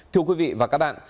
thưa quý vị và các bạn